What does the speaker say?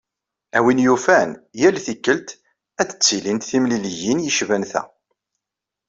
A win yufan, yal tikkelt ad d-ttilint temliliyin yecban ta.